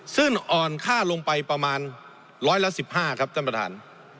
ซึ่งอ่อนค่าลงไปประมาณร้อยละ๑๕ครับท่านประธาน